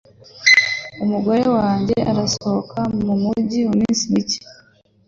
Umugore wanjye arasohoka mumujyi iminsi mike.